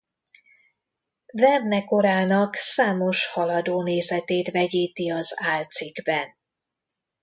Verne korának számos haladó nézetét vegyíti az álcikkben.